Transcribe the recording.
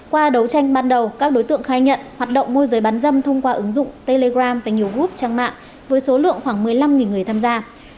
qua đấu tranh ban đầu các đối tượng khai nhận hoạt động môi giới bán dâm thông qua ứng dụng telegram và nhiều group trang mạng với số lượng khoảng một mươi năm người tham gia